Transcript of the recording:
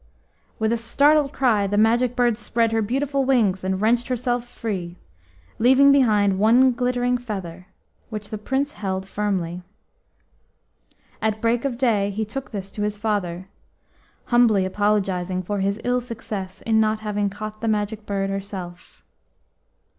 With a startled cry the Magic Bird spread her beautiful wings and wrenched herself free, leaving behind one glittering feather, which the Prince held firmly. At break of day he took this to his father, humbly apologising for his ill success in not having caught the Magic Bird herself.